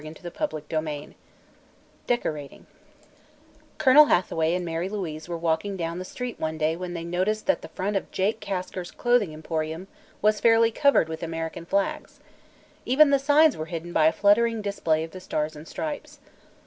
CHAPTER XXV DECORATING Colonel Hathaway and Mary Louise were walking down the street one day when they noticed that the front of Jake Kasker's Clothing Emporium was fairly covered with American flags. Even the signs were hidden by a fluttering display of the Stars and Stripes.